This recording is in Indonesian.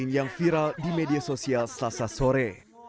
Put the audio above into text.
yang viral di media sosial sasa sore